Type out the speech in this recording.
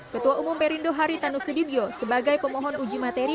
ketua umum perindo haritanu sudibyo sebagai pemohon uji materi